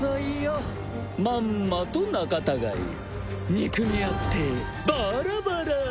憎み合ってバーラバラ。